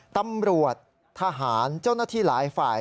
ตำรวจทหารเจ้าหน้าที่หลายฝ่าย